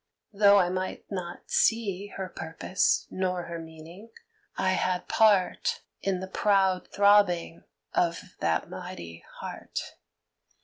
Though I might not see Her purpose nor her meaning, I had part In the proud throbbing of that mighty heart.